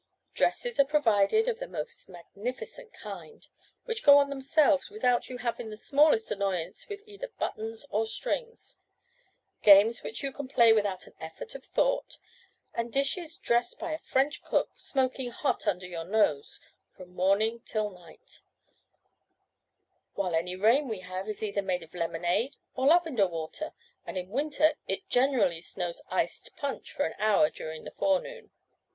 Dresses are provided of the most magnificent kind, which go on themselves, without your having the smallest annoyance with either buttons or strings; games which you can play without an effort of thought; and dishes dressed by a French cook, smoking hot under your nose, from morning till night; while any rain we have is either made of lemonade or lavender water, and in winter it generally snows iced punch for an hour during the forenoon."